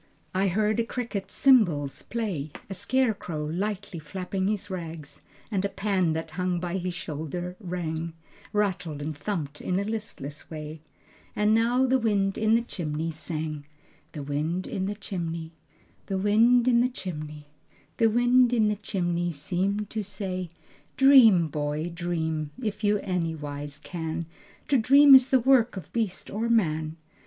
I heard a cricket's cymbals play, A scarecrow lightly flapped his rags, And a pan that hung by his shoulder rang, Rattled and thumped in a listless way, And now the wind in the chimney sang, The wind in the chimney, The wind in the chimney, The wind in the chimney, Seemed to say: "Dream, boy, dream, If you anywise can. To dream is the work Of beast or man.